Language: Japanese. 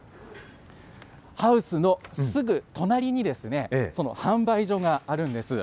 ハウスのすぐ隣に、その販売所があるんです。